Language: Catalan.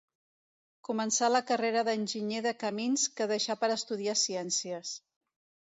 Començà la carrera d'Enginyer de Camins, que deixà per estudiar ciències.